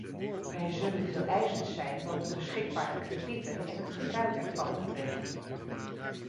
Wij zullen veeleisend zijn wat de beschikbare kredieten en het gebruik ervan betreft.